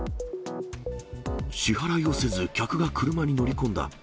支払いをせず、客が車に乗り込んだ。